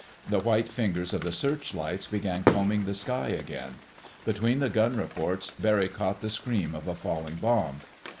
The white fingers of the searchlights began combing the sky again. Between the gun reports, Barry caught the scream of a falling bomb.